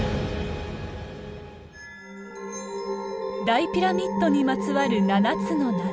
大ピラミッドにまつわる七つの謎。